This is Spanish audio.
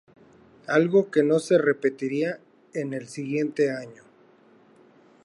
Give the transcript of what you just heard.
Algo que no se repetiría en el siguiente año.